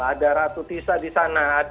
ada ratu tisa di sana